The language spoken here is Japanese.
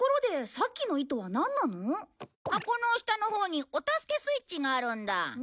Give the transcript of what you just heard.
箱の下のほうにお助けスイッチがあるんだ。